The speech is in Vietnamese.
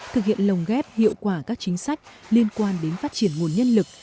thực hiện lồng ghép hiệu quả các chính sách liên quan đến phát triển nguồn nhân lực